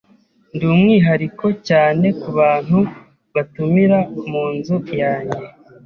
Ndi umwihariko cyane kubantu batumira munzu yanjye.